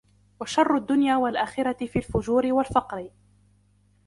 وَشَرَّ الدُّنْيَا وَالْآخِرَةِ فِي الْفُجُورِ وَالْفَقْرِ